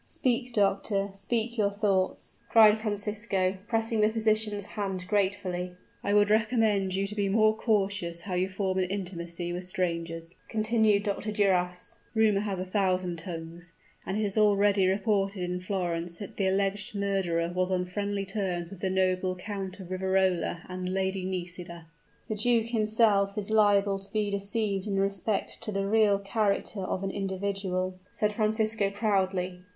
"Speak, doctor speak your thoughts!" cried Francisco, pressing the physician's hand gratefully. "I would recommend you to be more cautious how you form an intimacy with strangers," continued Dr. Duras. "Rumor has a thousand tongues and it is already reported in Florence that the alleged murderer was on familiar terms with the noble Count of Riverola and Lady Nisida." "The duke himself is liable to be deceived in respect to the real character of an individual," said Francisco proudly.